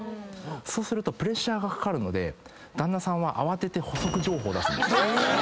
そうするとプレッシャーがかかるので旦那さんは慌てて補足情報を出すんです。